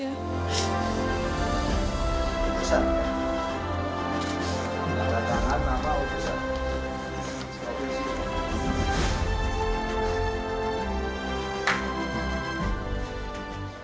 sekali lagi sekali lagi